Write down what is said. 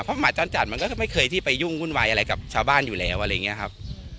เพราะหมาจรจัดมันก็ไม่เคยที่ไปยุ่งวุ่นวายอะไรกับชาวบ้านอยู่แล้วอะไรอย่างนี้ครับ